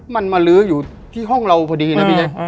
มันมาลื้ออยู่ที่ห้องเราพอดีนะพี่แจ๊ค